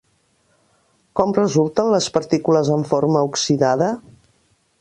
Com resulten les partícules en forma oxidada?